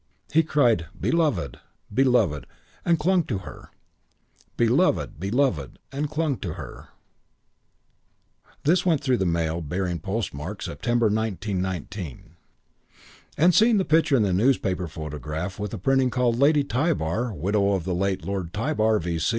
He cried, "Beloved, Beloved," and clung to her. "Beloved, Beloved!" and clung to her.... Postscript.... This went through the mail bearing postmark, September, 1919: "And seeing in the picture newspaper photograph with printing called 'Lady Tybar, widow of the late Lord Tybar, V.